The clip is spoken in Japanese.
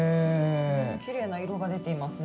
きれいな色が出ていますね。